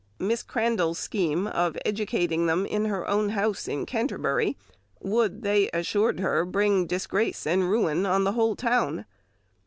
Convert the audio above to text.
Miss Crandall's scheme of educating them in her own house in Canterbury would, they assured her, bring disgrace and ruin on the whole town.